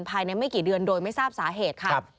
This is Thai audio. ไม่กี่เดือนโดยไม่ทราบสาเหตุค่ะ